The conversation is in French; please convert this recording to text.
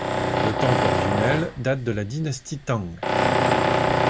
Le temple originel date de la dynastie Tang.